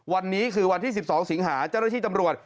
วันนี้คือวันที่๑๒สิงหาเจ้าหน้าที่ตำรวจ